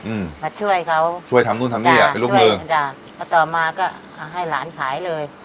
อืมมาช่วยเขาช่วยทำนู่นทำนี่อ่ะเป็นลูกแม่จ้ะพอต่อมาก็เอาให้หลานขายเลย